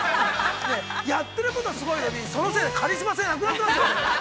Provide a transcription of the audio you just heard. やってることはすごいのにそのせいでカリスマ性なくなってますよ。